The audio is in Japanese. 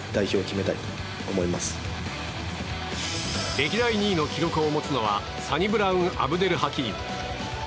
歴代２位の記録を持つのはサニブラウン・アブデルハキーム。